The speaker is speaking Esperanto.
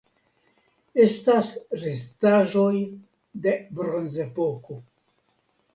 Estas restaĵoj de Bronzepoko.